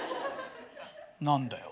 何だよ。